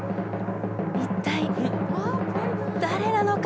一体、誰なのか？